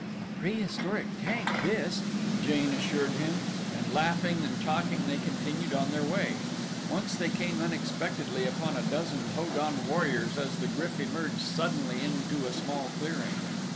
"A prehistoric tank, this," Jane assured him, and laughing and talking they continued on their way. Once they came unexpectedly upon a dozen Ho don warriors as the GRYF emerged suddenly into a small clearing.